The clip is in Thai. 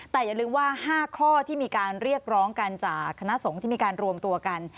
แต่อย่าลืมว่า๕ข้อที่มีการเรียกร้องกันจากคณะสงฆ์ที่มีการรวมตัวกัน